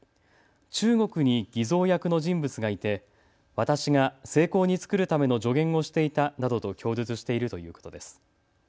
中国に偽造役の人物がいて私が精巧に作るための助言をしていたなどと供述しているということです。